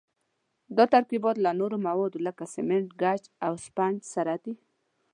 دا ترکیبات له نورو موادو لکه سمنټ، ګچ او اسفنج سره دي.